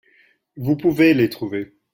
Vous pouvez les trouver.